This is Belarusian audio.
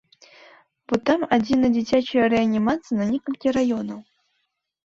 Бо там адзіная дзіцячая рэанімацыя на некалькі раёнаў.